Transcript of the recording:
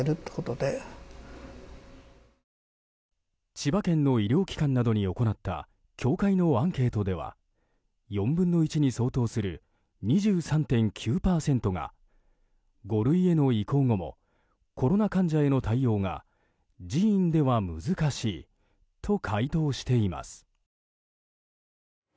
千葉県の医療機関などに行った協会のアンケートでは４分の１に相当する２３．９％が５類への移行後もコロナ患者への対応が自院では難しいと回答しています。